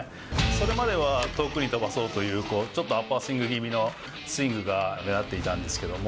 それまでは遠くに飛ばそうという、ちょっとアッパースイング気味のスイングが目立っていたんですけど。